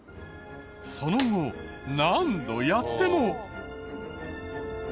その後何度やっても。